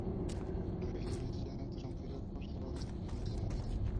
El relieve es llano interrumpido por suaves ondulaciones.